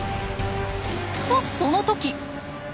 とその時。